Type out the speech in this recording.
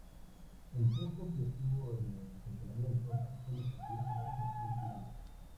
El tiempo que estuvo en funcionamiento tan solo consiguió tener tres mil clientes.